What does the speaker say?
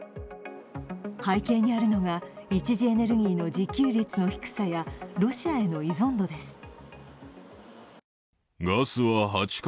背景にあるのが１次エネルギーの自給率の低さやロシアへの依存度です。